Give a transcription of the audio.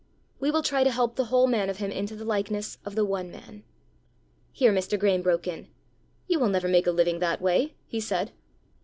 We will try to help the whole man of him into the likeness of the one man." Here Mr. Graeme broke in. "You will never make a living that way!" he said.